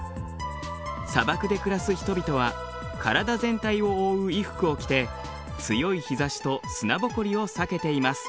砂漠で暮らす人々は体全体を覆う衣服を着て強い日ざしと砂ぼこりを避けています。